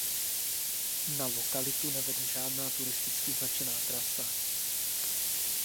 Na lokalitu nevede žádná turisticky značená trasa.